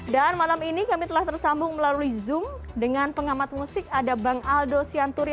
dan malam ini kami telah tersambung melalui zoom dengan pengamat musik ada bang aldo sianturi